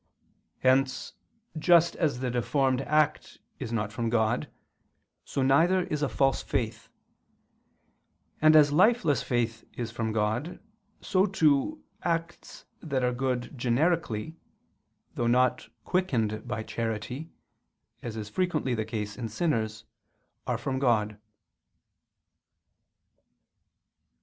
Hence, just as the deformed act is not from God, so neither is a false faith; and as lifeless faith is from God, so too, acts that are good generically, though not quickened by charity, as is frequently the case in sinners, are from God.